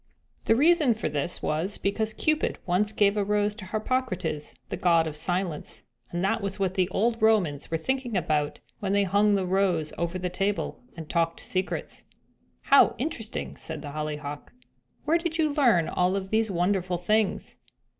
The reason for this was because Cupid once gave a rose to Harpocrates, the God of Silence, and that was what the old Romans were thinking about when they hung the rose over the table and talked secrets." "How interesting!" said the Hollyhock. "Where did you learn all of these wonderful things?"